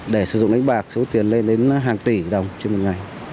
để sử dụng đánh bạc số tiền lên đến hàng tỷ đồng trên một ngày